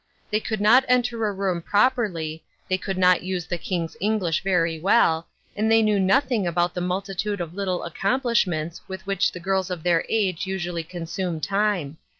They could not enter a room properly, they could not use the King's English very well, and they knew nothing about the multitude of little accomplishments with which the girls of their age usually consume time.